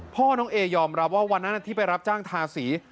พ่อน้องเอยอมรับว่าวันนั้นที่ไปรับจ้างทาสี